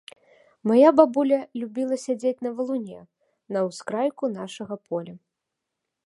Мая бабуля любіла сядзець на валуне на ўскрайку нашага поля.